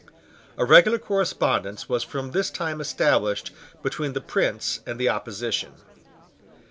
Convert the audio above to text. A regular correspondence was from this time established between the Prince and the opposition.